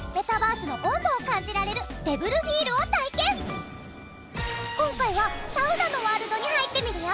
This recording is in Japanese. それでは早速今回はサウナのワールドに入ってみるよ。